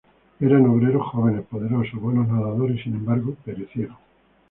Eran obreros jóvenes, poderosos, buenos nadadores y, sin embargo, perecieron.